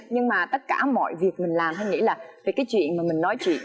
nhưng mà tất cả mọi việc mình làm hay nghĩ là về cái chuyện mà mình nói chuyện